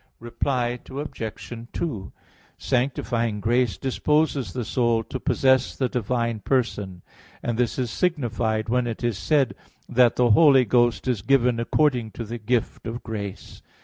Reply Obj. 2: Sanctifying grace disposes the soul to possess the divine person; and this is signified when it is said that the Holy Ghost is given according to the gift of grace.